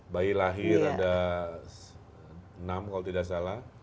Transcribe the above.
bayi lahir ada enam kalau tidak salah